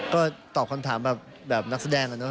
ก็ตอบคำถามแบบนักแสดง